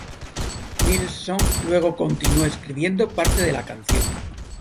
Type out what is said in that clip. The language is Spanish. Nilsson luego continuó escribiendo parte de la canción.